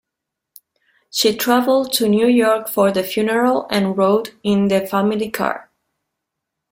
She traveled to New York for the funeral and rode in the family car.